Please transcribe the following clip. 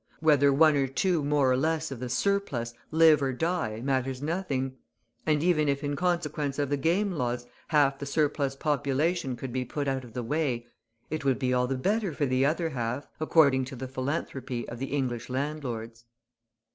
Whether one or two more or less of the "surplus" live or die matters nothing, and even if in consequence of the Game Laws half the surplus population could be put out of the way, it would be all the better for the other half according to the philanthropy of the English landlords.